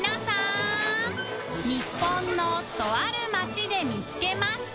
稙椶とある町で見つけました